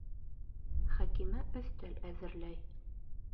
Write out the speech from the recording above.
Хәкимә өҫтәл әҙерләй.